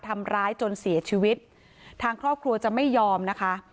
ทำร้ายจนเสียชีวิตทางครอบครัวจะไม่ยอมนะคะ